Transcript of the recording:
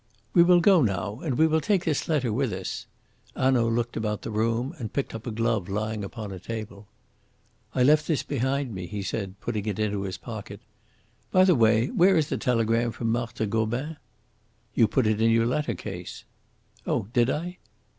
"We will go now, and we will take this letter with us." Hanaud looked about the room, and picked up a glove lying upon a table. "I left this behind me," he said, putting it into his pocket. "By the way, where is the telegram from Marthe Gobin?" "You put it in your letter case." "Oh, did I?"